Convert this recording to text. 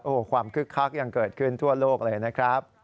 โอ้โหความคึกคักยังเกิดขึ้นทั่วโลกเลยนะครับ